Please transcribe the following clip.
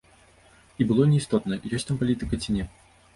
І было неістотна, ёсць там палітыка ці не.